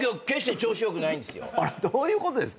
どういうことですか？